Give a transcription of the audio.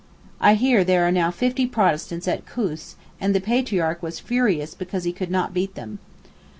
I hear there are now fifty Protestants at Koos, and the Patriarch was furious because he could not beat them.